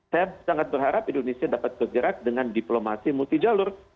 saya sangat berharap indonesia dapat bergerak dengan diplomasi multijalur